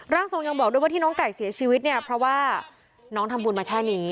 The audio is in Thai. ทรงยังบอกด้วยว่าที่น้องไก่เสียชีวิตเนี่ยเพราะว่าน้องทำบุญมาแค่นี้